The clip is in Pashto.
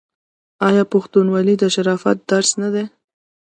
آیا پښتونولي د شرافت درس نه دی؟